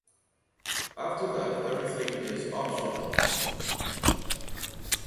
After that, everything is optional.